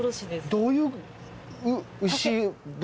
どういう？